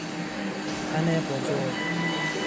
تن بزرگ